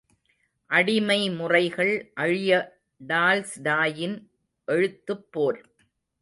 அடிமை முறைகள் அழிய டால்ஸ்டாயின் எழுத்துப்போர்!